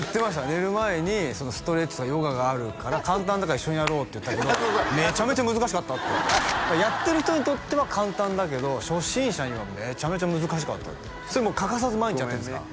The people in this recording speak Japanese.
寝る前にストレッチのヨガがあるから簡単だから一緒にやろうって言ったけどめちゃめちゃ難しかったってやってる人にとっては簡単だけど初心者にはめちゃめちゃ難しかったってそれ欠かさず毎日やってるんですか？